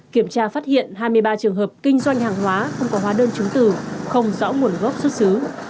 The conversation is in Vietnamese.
kiểm tra phát hiện hai mươi ba trường hợp kinh doanh hàng hóa không có hóa đơn chứng từ không rõ nguồn gốc xuất xứ